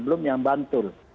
belum yang bantul